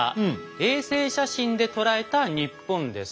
衛星写真で捉えた日本です。